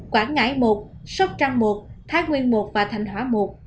quảng ngãi một sóc trăng một thái nguyên một và thành hóa một